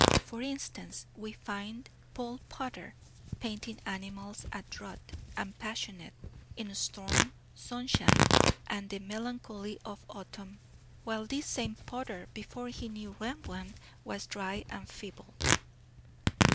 For instance, we find Paul Potter painting animals at rut, and passionate, in storm, sunshine, and the melancholy of autumn; while this same Potter, before he knew Rembrandt, was dry and feeble.